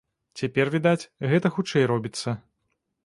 Цяпер, відаць, гэта хутчэй робіцца.